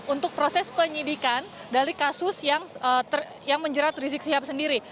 untuk proses penyidikan dari kasus yang menjerat rizik sihab sendiri